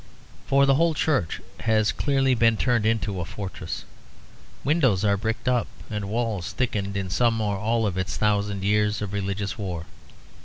For the whole church has clearly been turned into a fortress, windows are bricked up and walls thickened in some or all of its thousand years of religious war.